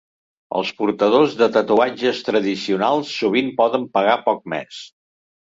Els portadors de tatuatges tradicionals sovint poden pagar poc més.